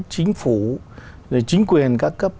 chính phủ chính quyền ca cấp